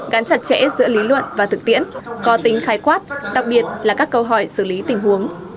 gắn chặt chẽ giữa lý luận và thực tiễn có tính khái quát đặc biệt là các câu hỏi xử lý tình huống